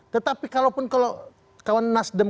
tetapi kalau pun kalau kawan nasdem